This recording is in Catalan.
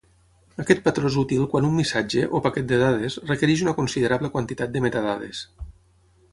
Aquest patró és útil quan un missatge, o paquet de dades, requereix una considerable quantitat de metadades.